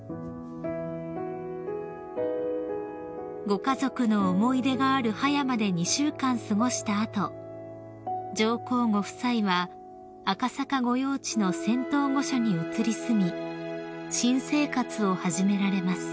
［ご家族の思い出がある葉山で２週間過ごした後上皇ご夫妻は赤坂御用地の仙洞御所に移り住み新生活を始められます］